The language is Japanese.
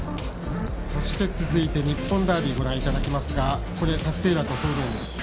そして、続いて日本ダービーご覧いただきますがタスティエーラとソールオリエンス。